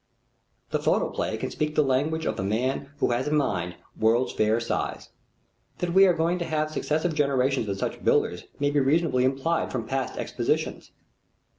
The photoplay can speak the language of the man who has a mind World's Fair size. That we are going to have successive generations of such builders may be reasonably implied from past expositions.